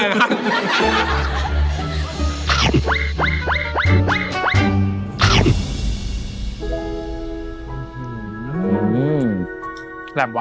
อื้อหือแสรมกว่า